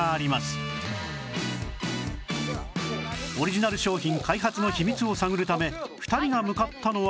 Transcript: オリジナル商品開発の秘密を探るため２人が向かったのは